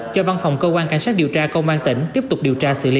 cho văn phòng cơ quan cảnh sát điều tra công an tỉnh tiếp tục điều tra xử lý